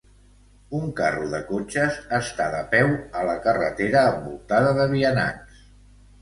Un carro de cotxes està de peu a la carretera envoltada de vianants